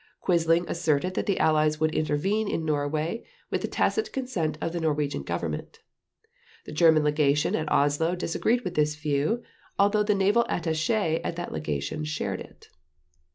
Quisling asserted that the Allies would intervene in Norway with the tacit consent of the Norwegian Government. The German Legation at Oslo disagreed with this view, although the Naval Attaché at that Legation shared it.